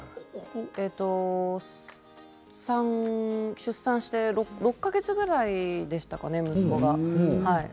出産して６か月ぐらいでしたかね、息子が。